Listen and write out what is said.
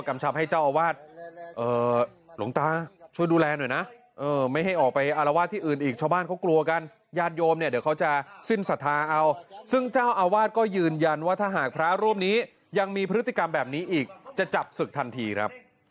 ไม่มันบอกที่ร่วมหมายถึงแต่ก็ไม่มีซะ